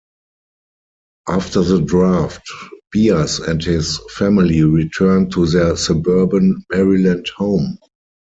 After the draft, Bias and his family returned to their suburban Maryland home.